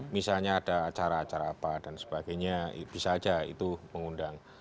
misalnya ada acara acara apa dan sebagainya bisa aja itu mengundang